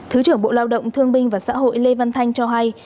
thứ trưởng bộ lao động thương binh và xã hội lê văn thanh cho hay